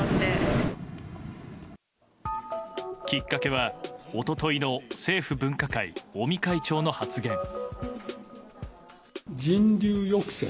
きっかけは一昨日の政府分科会、尾身会長の発言。